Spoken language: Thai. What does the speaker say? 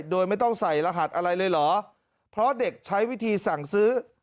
โดยไม่ต้องใส่รหัสอะไรเลยเหรอเพราะเด็กใช้วิธีสั่งซื้อ